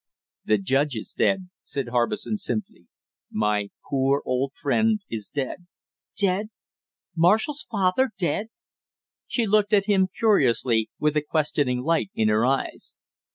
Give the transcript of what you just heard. "The judge is dead," said Harbison simply. "My poor old friend is dead!" "Dead Marshall's father dead!" She looked at him curiously, with a questioning light in her eyes.